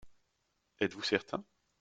Êtes-vous certain ?